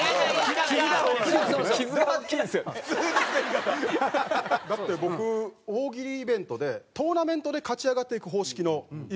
だって僕大喜利イベントでトーナメントで勝ち上がっていく方式のイベントがあったんですよ。